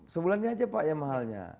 sebulannya aja pak yang mahalnya